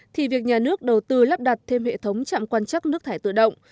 thì việc nhà nước đầu tư lắp đặt thêm hệ thống trạm quan chắc nước thải tự động